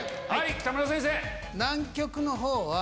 北村先生。